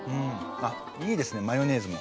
あっいいですねマヨネーズも。